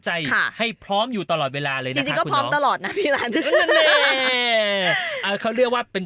ตายแล้ว